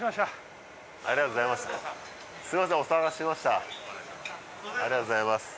ありがとうございます